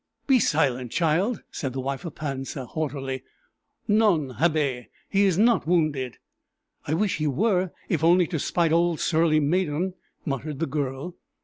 "Be silent, child!" said the wife of Pansa, haughtily. "Non habet! he is not wounded!" "I wish he were, if only to spite old surly Medon," muttered the girl.